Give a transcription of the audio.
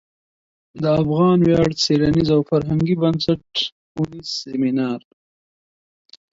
د افغان ویاړ څیړنیز او فرهنګي بنسټ او نیز سمینار